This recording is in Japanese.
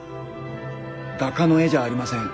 画家の絵じゃありません。